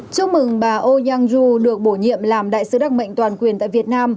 chúc mừng bà oh young joo được bổ nhiệm làm đại sứ đặc mệnh toàn quyền tại việt nam